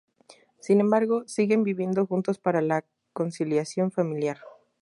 Sin embargo, siguen viviendo juntos para la conciliación familiar.